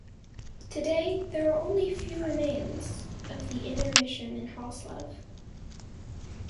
Today, there are only few remains of the Inner Mission in Haslev.